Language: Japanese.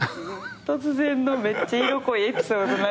突然のめっちゃ色濃いエピソード何？